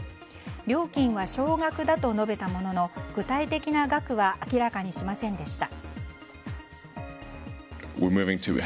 料金は少額だと述べたものの具体的な額は明らかにしませんでした。